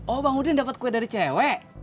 oh bang udin dapat kue dari cewek